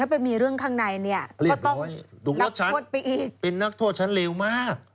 เป็นนักโทษชั้นเร็วมาก